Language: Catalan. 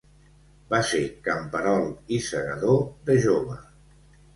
Va ser camperol i segador de jove.